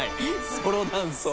ソロダンス。